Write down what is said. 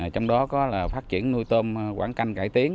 trong đó có phát triển nuôi tôm quảng canh cải tiến